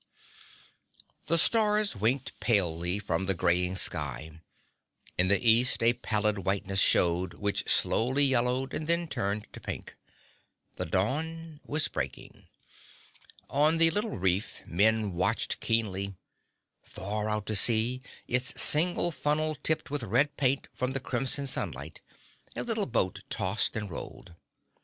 The stars winked palely from the graying sky. In the east a pallid whiteness showed which slowly yellowed and then turned to pink. The dawn was breaking. On the little reef men watched keenly. Far out at sea, its single funnel tipped with red paint from the crimson sunlight, a little boat tossed and rolled.